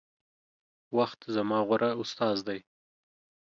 وخت زما غوره استاذ دے